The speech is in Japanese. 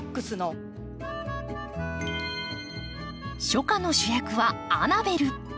初夏の主役はアナベル。